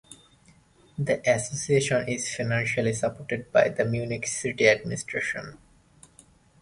The association is financially supported by the Munich city administration.